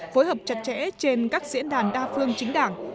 phối hợp chặt chẽ trên các diễn đàn đa phương chính đảng